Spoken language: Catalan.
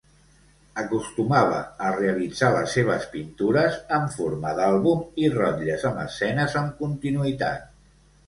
Acostumava a realitzar les seves pintures en forma d'àlbum i rotlles amb escenes amb continuïtat.